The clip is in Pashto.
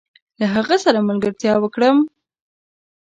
له هغه سره ملګرتيا وکړم؟